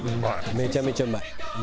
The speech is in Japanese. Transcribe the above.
めちゃめちゃうまい。